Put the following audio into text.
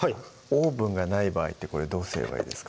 オーブンがない場合ってこれどうすればいいですか？